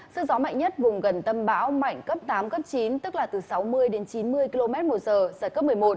sức gió mạnh nhất vùng gần tâm bão mạnh cấp tám cấp chín tức là từ sáu mươi đến chín mươi km một giờ giật cấp một mươi một